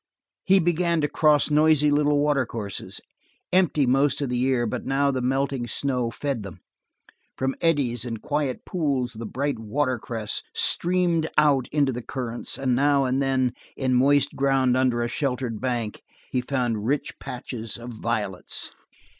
He began to cross noisy little watercourses, empty most of the year, but now the melting snow fed them. From eddies and quiet pools the bright watercress streamed out into the currents, and now and then in moist ground under a sheltering bank he found rich patches of violets.